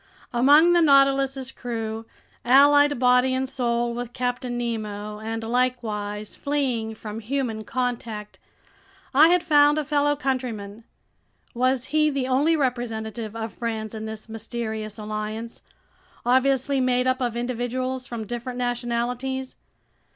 Among the Nautilus's crew, allied body and soul with Captain Nemo and likewise fleeing from human contact, I had found a fellow countryman! Was he the only representative of France in this mysterious alliance, obviously made up of individuals from different nationalities?